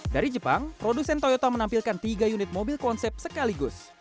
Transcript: dari jepang produsen toyota menampilkan tiga unit mobil konsep sekaligus